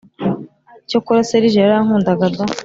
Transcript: cyokora serge yarankundaga da!